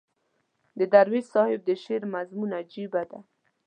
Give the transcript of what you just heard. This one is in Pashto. د درویش صاحب د شعر مضمون عجیبه دی.